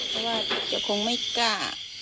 เพราะว่าแกคงไม่กล้า